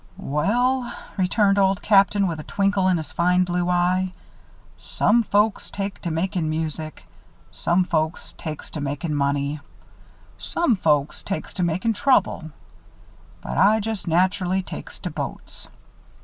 "Well," returned Old Captain, with a twinkle in his fine blue eye, "some folks takes to makin' music, some folks takes to makin' money, some folks takes to makin' trouble; but I just naturally takes to boats.